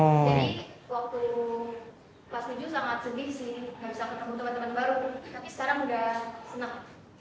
jadi waktu pas tujuh sangat sedih sih